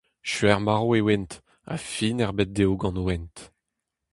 Skuizh-marv e oant, ha fin ebet dezho gant o hent.